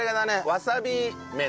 わさび麺！